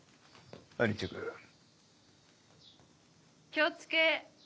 気をつけ。